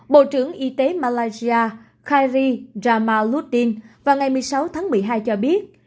bộ trưởng y tế malaysia khairi jamaluddin vào ngày một mươi sáu tháng một mươi hai cho biết